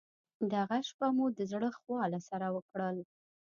دغه شپه مو د زړه خواله سره وکړل.